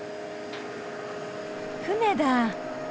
船だ。